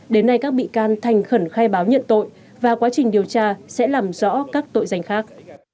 đến nay các bị can thành khẩn khai báo nhận tội và quá trình điều tra sẽ làm rõ các tội danh khác